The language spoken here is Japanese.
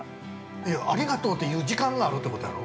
◆ありがとうって言う時間があるってことやろ？